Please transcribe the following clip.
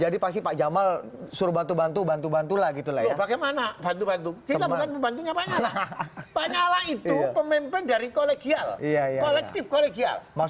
dari pergaulan anda bersama